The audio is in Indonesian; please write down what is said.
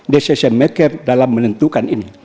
decision maker dalam menentukan ini